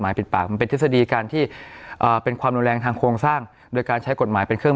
อยากให้ผู้เยาอาจรักหน่อยคุณ